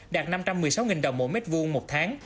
đạt năm trăm một mươi sáu đồng mỗi mét vuông một tháng